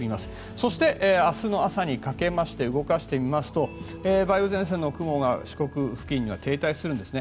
そして、明日の朝にかけて動かしてみますと梅雨前線の雲が四国付近に停滞するんですね。